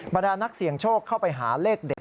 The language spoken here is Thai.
ดานักเสี่ยงโชคเข้าไปหาเลขเด็ด